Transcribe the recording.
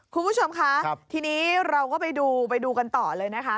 คุณผู้ชมคะทีนี้เราก็ไปดูไปดูกันต่อเลยนะคะ